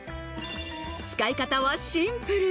使い方はシンプル。